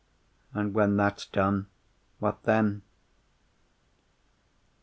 "And, when that's done, what then?